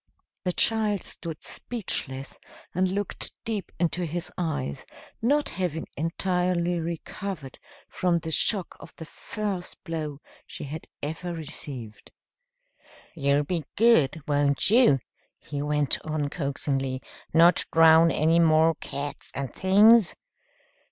The child stood speechless and looked deep into his eyes, not having entirely recovered from the shock of the first blow she had ever received. "You'll be good, won't you?" he went on coaxingly, "not drown any more cats and things?"